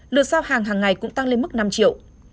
lượt giao hàng hàng ngày cũng tăng lên mức năm triệu